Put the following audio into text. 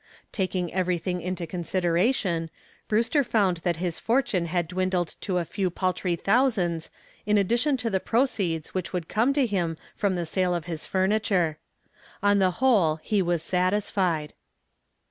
Taking everything into consideration, Brewster found that his fortune had dwindled to a few paltry thousands in addition to the proceeds which would come to him from the sale of his furniture. On the whole he was satisfied.